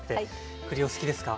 栗お好きですか？